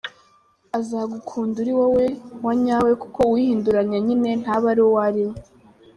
Azagukunda uri wowe wa nyawe kuko uwihinduranya nyine ntaba ari uwo ari we.